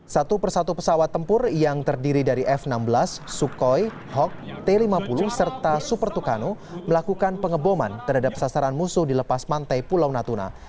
satu persatu pesawat tempur yang terdiri dari f enam belas sukhoi hawk t lima puluh serta super tucano melakukan pengeboman terhadap sasaran musuh di lepas pantai pulau natuna